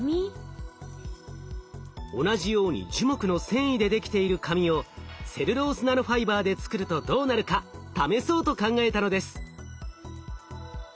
同じように樹木の繊維でできている紙をセルロースナノファイバーで作るとどうなるか試そうと考えたのです。